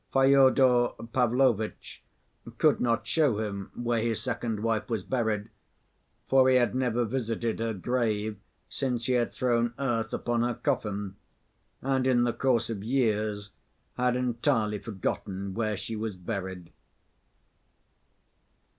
Fyodor Pavlovitch could not show him where his second wife was buried, for he had never visited her grave since he had thrown earth upon her coffin, and in the course of years had entirely forgotten where she was buried.